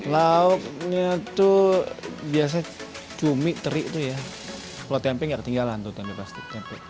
lauknya tuh biasanya cumi teri tuh ya kalau tempe gak ketinggalan tuh tempe pasti